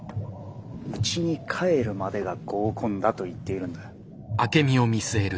うちに帰るまでが合コンだと言っているんだ。